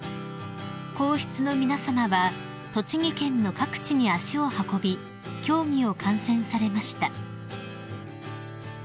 ［皇室の皆さまは栃木県の各地に足を運び競技を観戦されました］